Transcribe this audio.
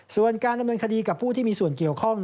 ส่วนการดำเนินคดีกับผู้ที่มีส่วนเกี่ยวข้อง